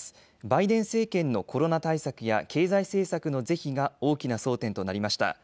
バイデン政権のコロナ対策や経済政策の是非が大きな争点となりました。